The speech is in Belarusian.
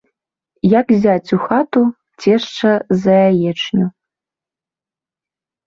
Як зяць у хату — цешча за яечню